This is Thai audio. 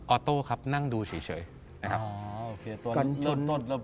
อโต้ครับนั่งดูเฉยนะครับ